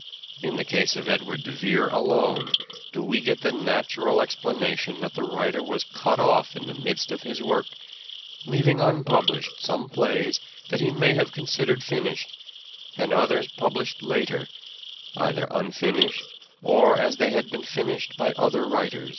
In the case of Edward de Vere alone do we get the natural explanation that the writer was cut off in the midst of his work, leaving unpublished some plays that he may have considered finished, and others published later, either unfinished or as they had been finished by other writers.